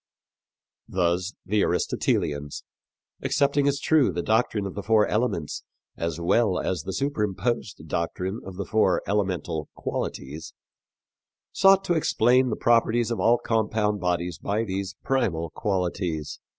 Thus the Aristotelians, accepting as true the doctrine of the four elements as well as the superimposed doctrine of the four elemental qualities, sought to explain the properties of all compound bodies by these primal qualities.